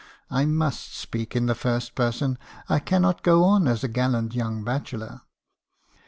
— I must speak in the first person ; I cannot go on as a gallant young bachelor.